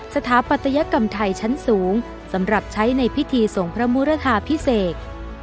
สถาปัตยกรรมไทยชั้นสูงสำหรับใช้ในพิธีส่งพระมุรทาพิเศษ